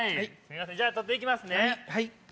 じゃあ撮って行きますね。